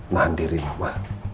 mahan diri mama